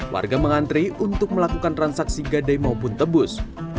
warga mengantri untuk melakukan transaksi gade maupun tebus